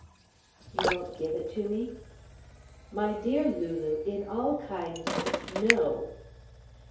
"You won't give it to me?" "My dear Lulu, in all kindness no."